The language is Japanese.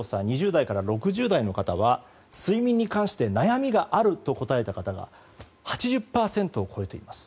２０代から６０代の方は睡眠に関して悩みがあると答えた方が８０％を超えています。